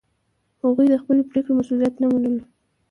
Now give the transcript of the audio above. هغوی د خپلې پرېکړې مسوولیت نه منلو.